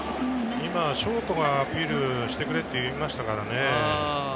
今、ショートがアピールしてくれって言いましたからね。